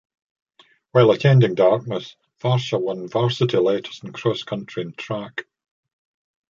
While attending Dartmouth, Varsha won varsity letters in cross country and track.